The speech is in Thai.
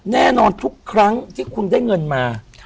แน่นอนทุกครั้งที่คุณได้เงินมา